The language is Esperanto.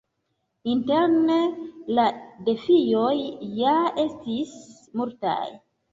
Interne, la defioj ja estis multaj.